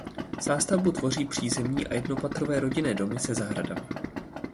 Zástavbu tvoří přízemní a jednopatrové rodinné domy se zahradami.